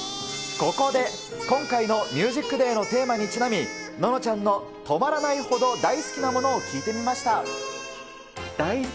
ここで、今回のＴＨＥＭＵＳＩＣＤＡＹのテーマにちなみ、ののちゃんの止まらないほど大好きなものを聞いてみました。